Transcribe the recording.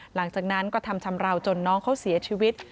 หลังจากนั้นก็ทำชำราวจนน้องเขาเสียชีวิต